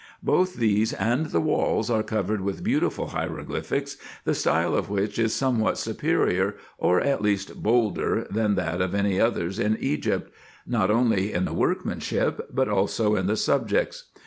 Both these and the walls are covered with beautiful hieroglyphics, the style of which is somewhat superior, or at least bolder, than that of any others in Egypt, not only in the workmanship, but also in the subjects.